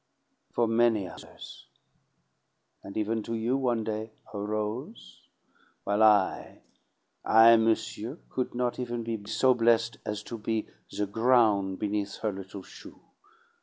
for many others; and even to you, one day, a rose, while I I, monsieur, could not even be so blessed as to be the groun' beneath her little shoe!